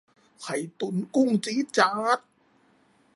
ไข่ตุ๋นกุ้งจี๊ดจ๊าด